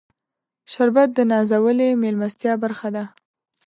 شربت د نازولې میلمستیا برخه ده